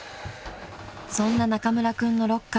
［そんな中村君のロッカーは］